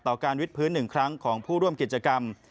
การวิทพื้น๑ครั้งของผู้ร่วมกิจกรรม